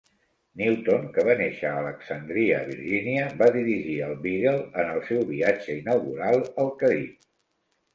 Newton, que va néixer a Alexandria, Virgínia, va dirigir el "Beagle" en el seu viatge inaugural al Carib.